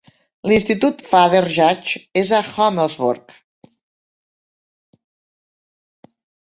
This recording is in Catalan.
L'institut Father Judge és a Holmesburg.